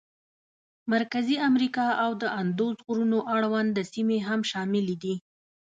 مرکزي امریکا او د اندوس غرونو اړونده سیمې هم شاملې دي.